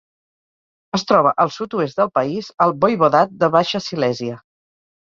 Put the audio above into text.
Es troba al sud-oest del país, al voivodat de Baixa Silèsia.